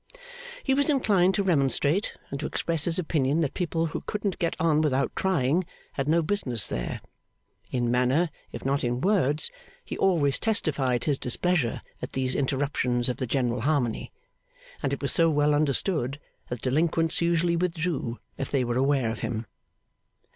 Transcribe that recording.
He was inclined to remonstrate, and to express his opinion that people who couldn't get on without crying, had no business there. In manner, if not in words, he always testified his displeasure at these interruptions of the general harmony; and it was so well understood, that delinquents usually withdrew if they were aware of him.